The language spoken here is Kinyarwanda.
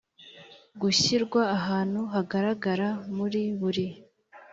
gushyirwa ahantu hagaragara muri buri